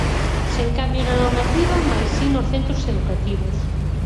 Sen cambios na normativa mais si nos centros educativos.